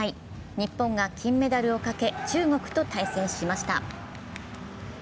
日本が金メダルをかけ中国と対戦しました。